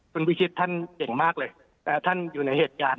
คุณพิชิตท่านเก่งมากเลยท่านอยู่ในเหตุการณ์